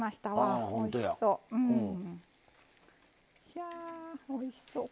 ひゃおいしそう。